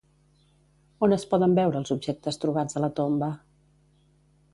On es poden veure els objectes trobats a la tomba?